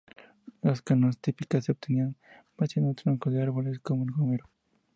Las canoas típicas se obtenían vaciando troncos de árboles como el gomero.